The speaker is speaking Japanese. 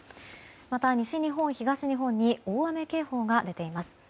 また、西日本、東日本に大雨警報が出ています。